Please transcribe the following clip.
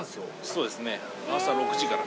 そうですね朝６時から。